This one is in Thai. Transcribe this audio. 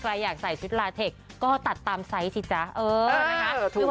ใครอยากใส่ชุดลาเทคก็ตัดตามไซส์สิจ๊ะเออใช่ไหมคะ